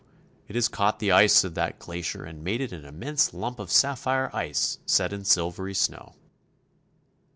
It has caught the ice of that glacier and made it an immense lump of sapphire ice set in silvery snow.